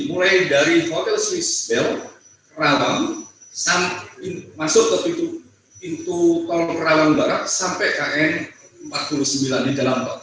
mulai dari hotel swiss bell kerawang masuk ke pintu tol kerawang barat sampai km empat puluh sembilan di jalampak